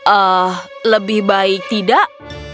ah lebih baik tidak